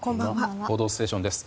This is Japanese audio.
「報道ステーション」です。